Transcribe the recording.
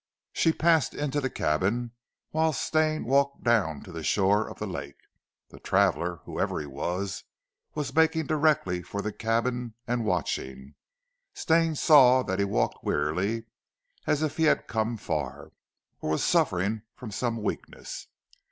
She passed into the cabin, whilst Stane walked down to the shore of the lake. The traveller whoever he was, was making directly for the cabin, and watching, Stane saw that he walked wearily as if he had come far, or was suffering from some weakness.